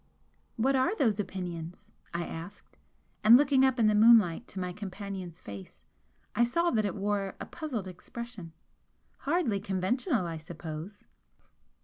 "What are those opinions?" I asked, and looking up in the moonlight to my companion's face I saw that it wore a puzzled expression "Hardly conventional, I suppose?"